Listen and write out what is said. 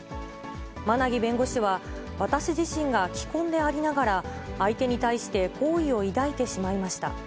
馬奈木弁護士は、私自身が既婚でありながら、相手に対して好意を抱いてしまいました。